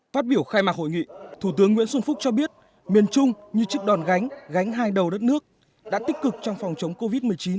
phát biểu khai mạc hội nghị thủ tướng nguyễn xuân phúc cho biết miền trung như chiếc đòn gánh gánh hai đầu đất nước đã tích cực trong phòng chống covid một mươi chín